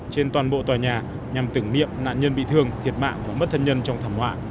trên toàn bộ tòa nhà nhằm tưởng niệm nạn nhân bị thương thiệt mạng và mất thân nhân trong thảm họa